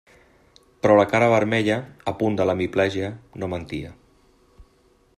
Però la cara vermella, a punt de l'hemiplegia, no mentia.